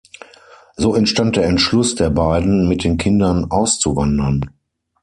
So entstand der Entschluss der beiden, mit den Kindern auszuwandern.